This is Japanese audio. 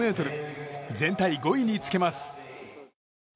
全体５位につけます。